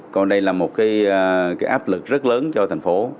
còn đây là một cái áp lực rất lớn cho thành phố